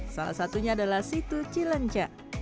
salah satunya adalah situ cilenca